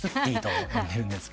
そう呼んでるんです。